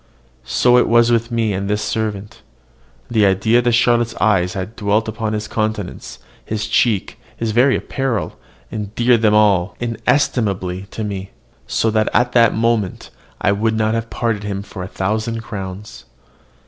So was it with me and this servant. The idea that Charlotte's eyes had dwelt on his countenance, his cheek, his very apparel, endeared them all inestimably to me, so that at the moment I would not have parted from him for a thousand crowns.